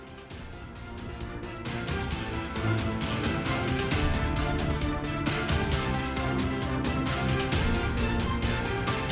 bersama kami adalah pak kusmedi